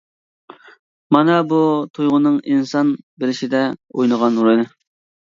مانا بۇ تۇيغۇنىڭ ئىنسان بىلىشىدە ئوينىغان رولى.